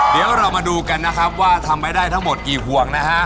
เดี๋ยวเรามาดูกันนะครับว่าทำไปได้ทั้งหมดกี่ห่วงนะฮะ